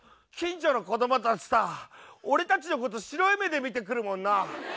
近所の子供たちさ俺たちのこと白い目で見てくるもんな。